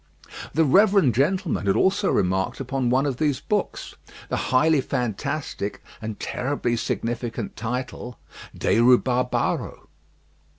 The Reverend gentleman had also remarked upon one of these books, the highly fantastic and terribly significant title, De Rhubarbaro.